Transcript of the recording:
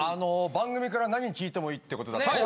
番組から何聞いてもいいってことだったので。